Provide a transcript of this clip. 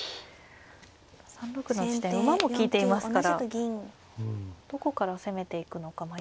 ３六の地点馬も利いていますからどこから攻めていくのか迷いますね。